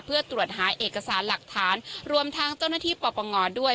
เพื่อตรวจหาเอกสารหลักฐานรวมทางเจ้าหน้าที่ปปงด้วย